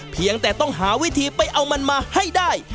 เพียงแต่ต้องหาวิธีไปเอามันมาให้ได้